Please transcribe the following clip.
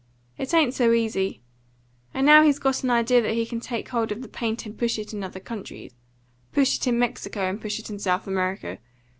It ain't so easy. And now he's got an idea that he can take hold of the paint and push it in other countries push it in Mexico and push it in South America.